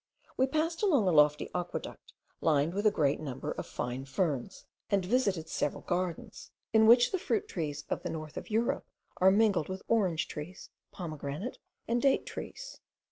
We passed along a lofty aqueduct, lined with a great number of fine ferns; and visited several gardens, in which the fruit trees of the north of Europe are mingled with orange trees, pomegranate, and date trees.